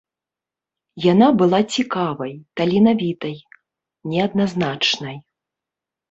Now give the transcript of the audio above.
Яна была цікавай, таленавітай, неадназначнай.